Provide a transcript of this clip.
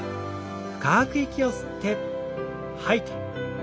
深く息を吸って吐いて。